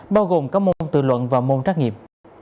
bao gồm các môn tự luận và môn trắc nghiệm